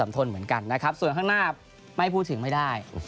ทนเหมือนกันนะครับส่วนข้างหน้าไม่พูดถึงไม่ได้